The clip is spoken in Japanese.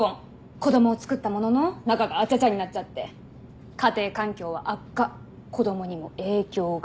子供を作ったものの仲があちゃちゃになっちゃって家庭環境は悪化子供にも影響が。